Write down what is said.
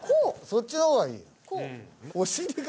そっちの方がいいよ。